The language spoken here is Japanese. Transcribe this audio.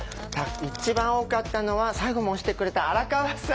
一番多かったのは最後も押してくれた荒川さん。